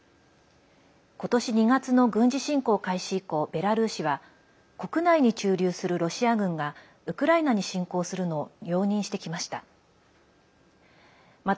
今年２月の軍事侵攻開始以降ベラルーシは国内に駐留するロシア軍がウクライナに侵攻するのを容認してきました。